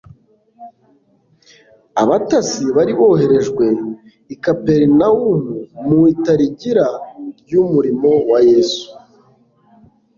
Abatasi bari boherejwe i Kaperinawumu mu itarigira ry'umurimo wa Yesu,